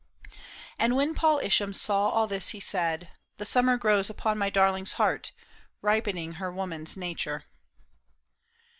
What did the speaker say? And when Paul I sham saw all this he said, *^ The summer grows upon my darling's heart, Ripening her woman's nature."